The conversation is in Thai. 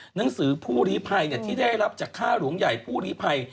หนังสือผู้ลีภัยที่ได้รับจากค่าหลวงใหญ่ผู้ลีภัย